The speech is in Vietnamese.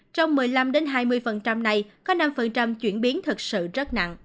trong một mươi năm hai mươi này có năm chuyển biến thật sự rất nặng